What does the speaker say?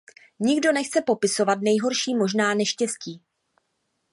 Nikdo nechce popisovat nejhorší možná neštěstí.